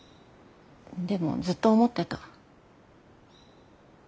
でもずっと思ってた。